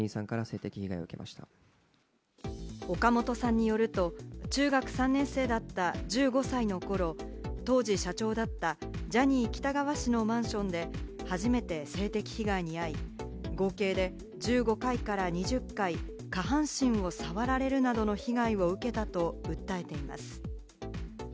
オカモトさんによると、中学３年生だった１５歳の頃、当時社長だったジャニー喜多川氏のマンションで初めて性的被害に遭い、合計で１５回から２０回、下半身を触られるなどの被害を受けたと訴えています。